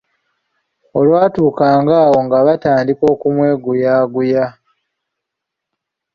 Olwatuukanga awo nga batandika okumweguyaguya.